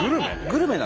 グルメ？